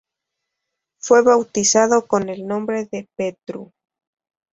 Fue bautizado con el nombre de Petru.